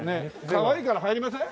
かわいいから入りません？